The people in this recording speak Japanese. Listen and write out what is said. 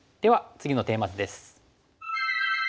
次のテーマ図です。